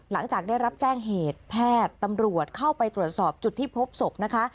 หลังจากได้รับแจ้งเหตุแพทย์ตำรวจเข้าไปตรวจสอบจุดที่พบศพนะคะ